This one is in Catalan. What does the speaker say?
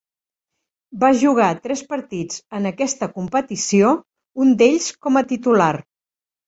Va jugar tres partits en aquesta competició, un d'ells com a titular.